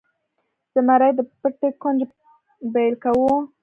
زمري د پټي کونج بیل کاوه.